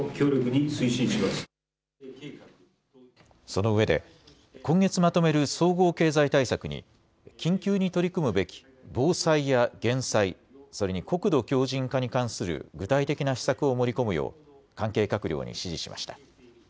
そのうえで今月まとめる総合経済対策に緊急に取り組むべき防災や減災、それに国土強じん化に関する具体的な施策を盛り込むよう関係閣僚に指示しました。